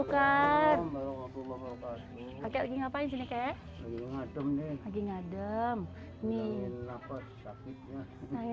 kakek sukar ngapain sini ke